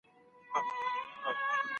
خوني، ژرنده، مو د ژوند ګرځي ملګرو